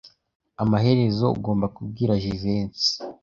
Amaherezo ugomba kubwira Jivency.